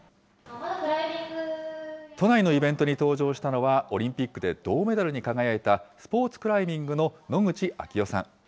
都内のイベントに登場したのは、オリンピックで銅メダルに輝いたスポーツクライミングの野口啓代さん。